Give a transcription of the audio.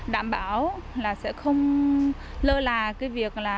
đảm bảo là sẽ không lơ là cái việc là